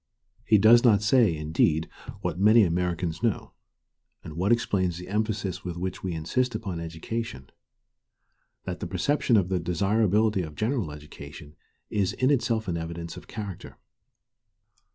He does not say, indeed, what many Americans know, and what explains the emphasis with which we insist upon education, that the perception of the desirability of general education is in itself an evidence of character.